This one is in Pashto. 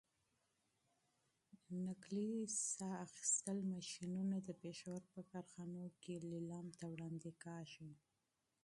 مصنوعي تنفس ماشینونه د پښاور په کارخانو کې لیلام ته وړاندې کېږي.